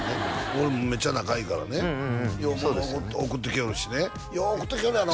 俺もめっちゃ仲いいからねよう物贈ってきよるしねよう贈ってきよるやろ？